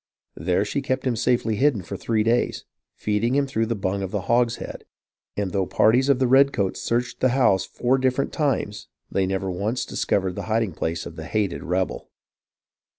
There she kept him safely hidden for three days, feeding him through the bung of the hogshead ; and though parties of the redcoats searched the house four different times, they never once discovered the hiding place of the hated rebel.